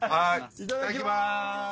いただきます。